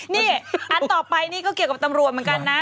นี่อันต่อไปนี่ก็เกี่ยวกับตำรวจเหมือนกันนะ